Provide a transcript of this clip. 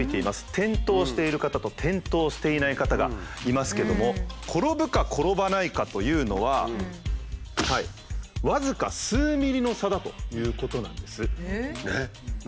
転倒している方と転倒していない方がいますけども転ぶか転ばないかというのは僅か数ミリの差だということなんです。